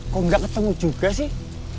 kok nggak ketemu juga sih